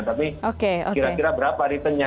tapi kira kira berapa returnnya